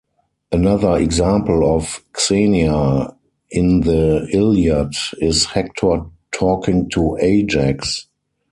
Another example of xenia in the Iliad is Hector talking to Ajax.